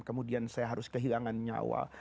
kemudian saya harus kehilangan nyawa